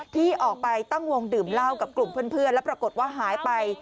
ที่ออกไปตั้งวงดื่มเหล้ากับกลุ่มเพื่อนแล้วปรากฏว่าหายไป